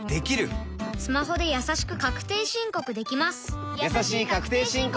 スマホでやさしく確定申告できます